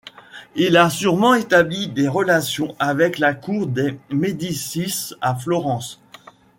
Il a sûrement établi des relations avec la cour des Médicis à Florence.